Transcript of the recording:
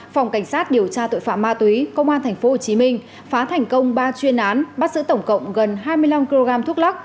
phòng cảnh sát điều tra tội phạm ma túy công an tp hcm phá thành công ba chuyên án bắt giữ tổng cộng gần hai mươi năm kg thuốc lắc